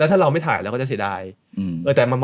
ถ้าเราไม่ถ่ายเราก็จะเสียดาย